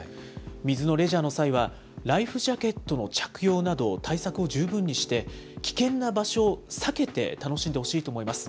水のレジャーの際は、ライフジャケットの着用など、対策を十分にして、危険な場所を避けて楽しんでほしいと思います。